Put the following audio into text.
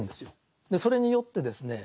それによってですね